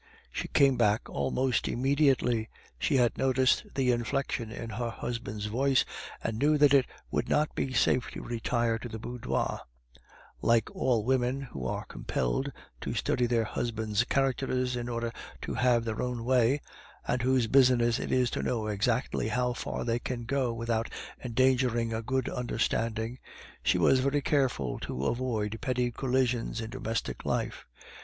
She came back almost immediately. She had noticed the inflection in her husband's voice, and knew that it would not be safe to retire to the boudoir; like all women who are compelled to study their husbands' characters in order to have their own way, and whose business it is to know exactly how far they can go without endangering a good understanding, she was very careful to avoid petty collisions in domestic life.